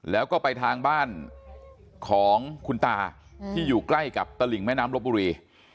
แล้วก็ไปทางบ้านของคุณตาที่อยู่ใกล้กับตลิ่งแม่น้ำลบบุรี